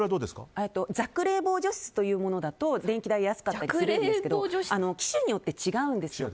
弱冷房除湿というものだと電気代が安かったりするんですけど機種によって違うんですよ。